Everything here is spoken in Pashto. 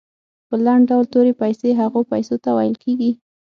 په لنډ ډول تورې پیسې هغو پیسو ته ویل کیږي.